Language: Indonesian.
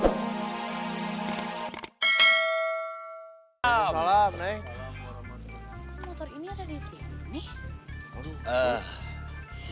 iya neng tadi kan om dadang hantarin kang kebar ke rumahnya waktu om dadang mau pulang